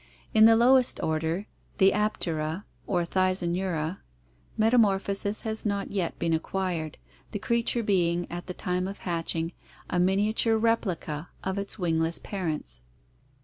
In the lowest order, the Aptera or Thysanura, metamor phosis has not yet been acquired, the creature being, at the time of hatching, a miniature replica of its wingless parents.